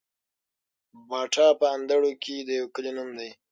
باټا په اندړو کي د يو کلي نوم دی